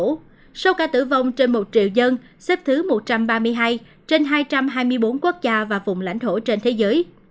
trong số ca tử vong trên một triệu dân xếp thứ một trăm ba mươi hai trên hai trăm hai mươi bốn quốc gia và vùng lãnh thổ trên thế giới